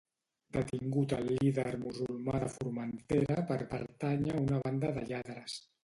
Detingut el líder musulmà de Formentera per pertànyer a una banda de lladres